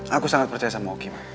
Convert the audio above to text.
aku sangat percaya sama oke ma